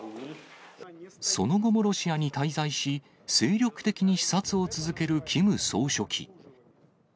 その後もロシアに滞在し、精力的に視察を続けるキム総書記。